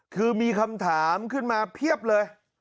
คือมีคำถามขึ้นมาเพียบเลย